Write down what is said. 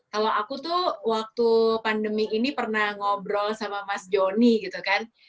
kalau aku tuh waktu pandemi ini pernah ngobrol sama mas joni gitu kan